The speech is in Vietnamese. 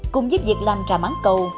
cùng giúp việc làm trà mảng cầu